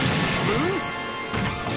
うん？